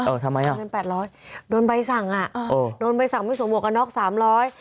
เออทำไมหรอแปดร้อยโดนใบสั่งอ่ะโดนใบสั่งไม่สมวงกันนอกสามร้อย